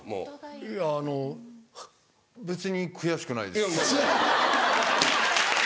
いやあの別に悔しくないです。